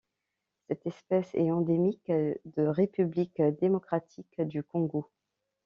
Cette espèce est endémique de République démocratique du Congo.